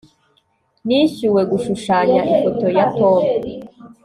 nishyuwe gushushanya ifoto ya tom